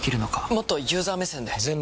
もっとユーザー目線で。